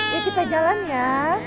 yuk kita jalan ya